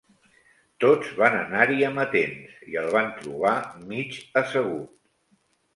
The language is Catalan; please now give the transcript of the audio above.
Tots van anar-hi amatents i el van trobar mig assegut